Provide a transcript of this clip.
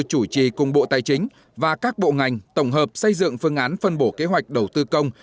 chủ trì cùng bộ tài chính và các bộ ngành tổng hợp xây dựng phương án phân bổ kế hoạch đầu tư công